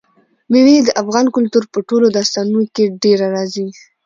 مېوې د افغان کلتور په ټولو داستانونو کې ډېره راځي.